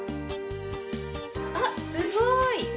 あっすごい！